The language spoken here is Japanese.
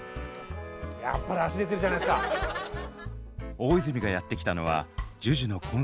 大泉がやって来たのはＪＵＪＵのコンサート。